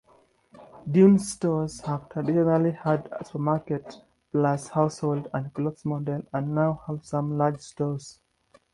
Dunnes Stores have traditionally had a supermarket-plus-household-and-clothes model and now have some large stores.